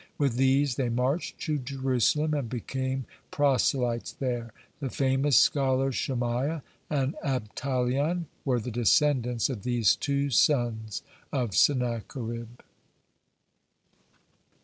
With these they marched to Jerusalem, and became proselytes there. The famous scholars Shemaiah and Abtalion were the descendants of these two sons of Sennacherib.